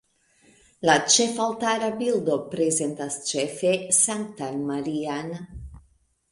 La ĉefaltara bildo prezentas ĉefe Sanktan Marian.